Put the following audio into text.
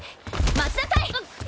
待ちなさい！